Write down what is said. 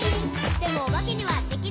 「でもおばけにはできない。」